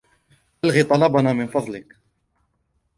إلغي طلبنا من فضلك.